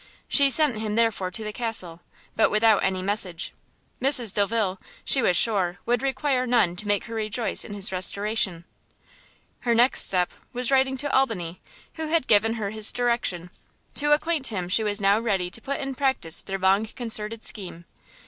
She sent him, therefore, to the castle, but without any message; Mrs Delvile, she was sure, would require none to make her rejoice in his restoration. Her next step was writing to Albany, who had given her his direction, to acquaint him she was now ready to put in practice their long concerted scheme.